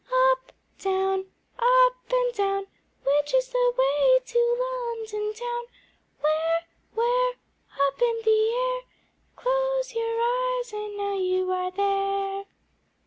Up, down, Up and down, Which is the way to London Town? Where, where? Up in the air, Close your eyes, and now you are there!